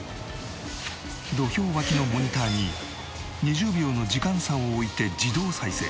土俵脇のモニターに２０秒の時間差を置いて自動再生。